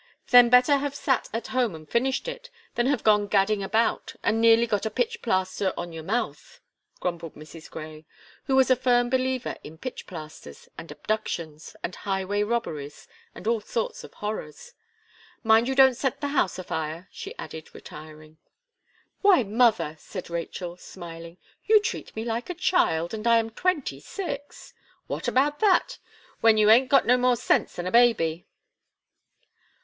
"Then better have sat at home and finished it, than have gone gadding about, and nearly got a pitch plaster on your mouth," grumbled Mrs. Gray, who was a firm believer in pitch plasters, and abductions, and highway robberies, and all sorts of horrors. "Mind you don't set the house a fire," she added, retiring. "Why, mother," said Rachel, smiling, "you treat me like a child, and I am twenty six." "What about that? when you aint got no more sense than a baby."